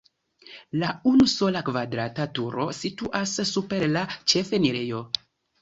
La unusola kvadrata turo situas super la ĉefenirejo.